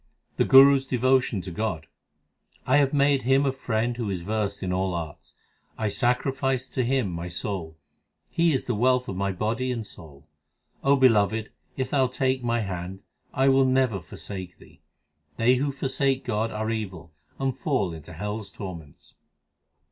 The Guru s devotion to God : 1 have made Him a friend who is versed in all arts ; I sacrifice to Him my soul : He is the wealth of my body and soul. O Beloved, if Thou take my hand, I will never forsake Thee. They who forsake God are evil and fall into hell s tor ments.